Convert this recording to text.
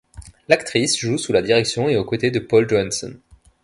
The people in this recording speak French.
L'actrice joue sous la direction et aux côtés de Paul Johansson.